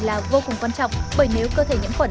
là vô cùng quan trọng bởi nếu cơ thể nhiễm khuẩn